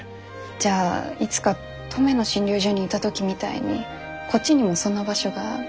じゃあいつか登米の診療所にいた時みたいにこっちにもそんな場所が見つけられたらいいですね。